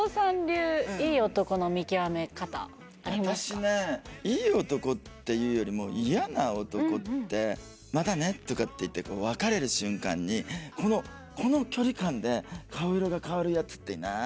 私ねいい男っていうよりも嫌な男って「またね」とかって言って別れる瞬間にこのこの距離感で顔色が変わるヤツっていない？